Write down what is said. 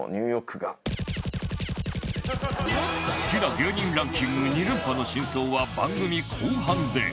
好きな芸人ランキング２連覇の真相は番組後半で